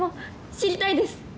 知りたいです！